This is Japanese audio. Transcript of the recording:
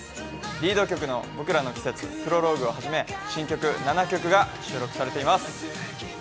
リード曲の「僕らの季節」「Ｐｒｏｌｏｇｕｅ」をはじめ新曲７曲を収録しています！